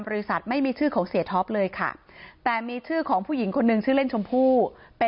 เพราะไม่มีเงินไปกินหรูอยู่สบายแบบสร้างภาพ